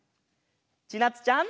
ちなつちゃん。